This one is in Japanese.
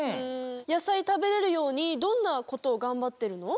やさいたべれるようにどんなことをがんばってるの？